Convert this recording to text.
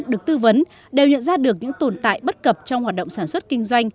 được tư vấn đều nhận ra được những tồn tại bất cập trong hoạt động sản xuất kinh doanh